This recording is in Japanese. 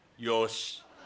よし。